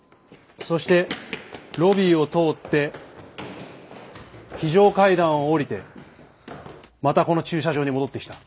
そしてロビーを通って非常階段を下りてまたこの駐車場に戻ってきた。